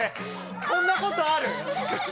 こんなことある？